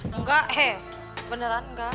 enggak beneran enggak